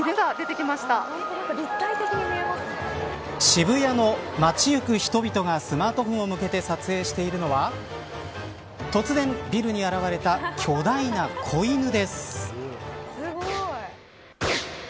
渋谷の街ゆく人々がスマートフォンを向けて撮影しているのは突然、ビルに現れた巨大な子犬です。